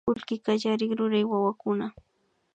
Kullki kallarik rurya wawakuna